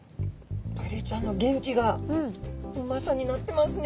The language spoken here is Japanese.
ブリちゃんの元気がうまさになってますね。